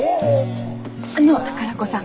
あの宝子さん。